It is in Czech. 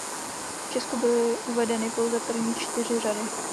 V Česku byly uvedeny pouze první čtyři řady.